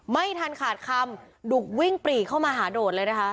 ไม่ทันขาดคำดุวิ่งปรีเข้ามาหาโดดเลยนะคะ